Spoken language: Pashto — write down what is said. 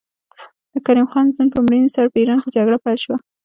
د کریم خان زند په مړینې سره په ایران کې جګړه پیل شوه.